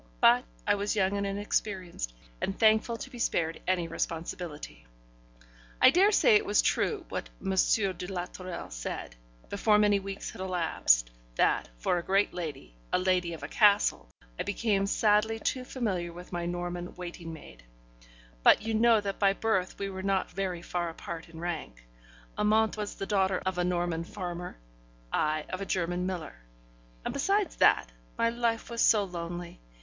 But I was young and inexperienced, and thankful to be spared any responsibility. I daresay it was true what M. de la Tourelle said before many weeks had elapsed that, for a great lady, a lady of a castle, I became sadly too familiar with my Norman waiting maid. But you know that by birth we were not very far apart in rank: Amante was the daughter of a Norman farmer, I of a German miller; and besides that, my life was so lonely!